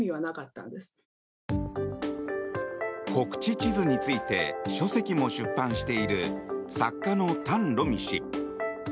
国恥地図について書籍も出版している作家の譚ろ美氏。